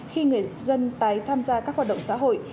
khi người dân tái tham gia các hoạt động xã hội